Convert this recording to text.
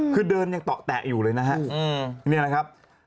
คือเดินยังเตาะแตะอยู่เลยนะฮะ